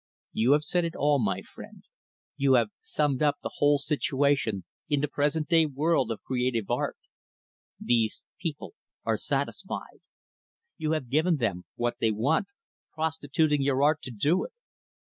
You have said it all, my friend you have summed up the whole situation in the present day world of creative art these people are satisfied. You have given them what they want, prostituting your art to do it.